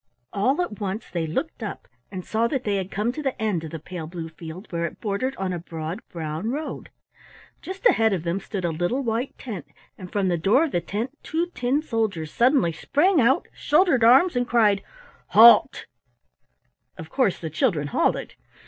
All at once they looked up and saw that they had come to the end of the pale blue field where it bordered on a broad brown road. Just ahead of them stood a little white tent, and from the door of the tent two tin soldiers suddenly sprang out, shouldered arms, and cried: "Halt!" Of course the children halted.